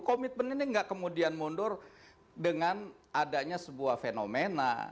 komitmen ini tidak kemudian mundur dengan adanya sebuah fenomena